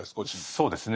そうですね。